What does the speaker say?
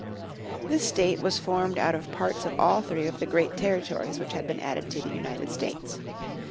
This state was formed out of parts of all three of the great territories which had been added to the United States.